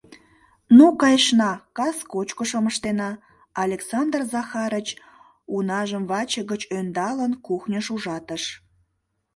Ну, кайышна, кас кочкышым ыштена, — Александр Захарыч, унажым ваче гыч ӧндалын, кухньыш ужатыш.